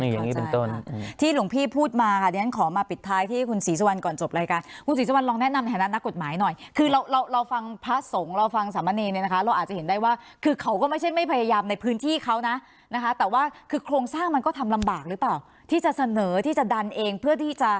อย่างนี้เป็นต้นที่หลวงพี่พูดมาค่ะเดี๋ยวฉันขอมาปิดท้ายที่คุณศรีสุวรรณก่อนจบรายการคุณศรีสุวรรณลองแนะนำในฐานะนักกฎหมายหน่อยคือเราเราฟังพระสงฆ์เราฟังสามเณรเนี่ยนะคะเราอาจจะเห็นได้ว่าคือเขาก็ไม่ใช่ไม่พยายามในพื้นที่เขานะนะคะแต่ว่าคือโครงสร้างมันก็ทำลำบากหรือเปล่าที่จะเสนอที่จะดันเองเพื่อที่จะ